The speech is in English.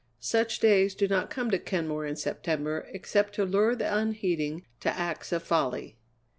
Such days do not come to Kenmore in September except to lure the unheeding to acts of folly.